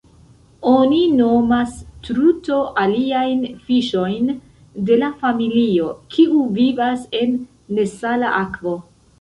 Oni nomas truto aliajn fiŝojn de la familio, kiu vivas en nesala akvo.